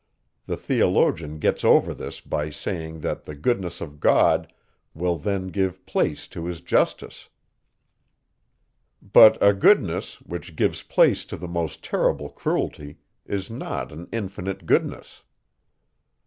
The theologian gets over this, by saying, that the goodness of God will then give place to his justice. But a goodness, which gives place to the most terrible cruelty, is not an infinite goodness.